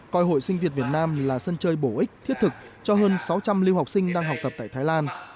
coi hội sinh việt nam là sân chơi bổ ích thiết thực cho hơn sáu trăm linh lưu học sinh đang học tập tại thái lan